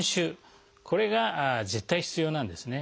これが絶対必要なんですね。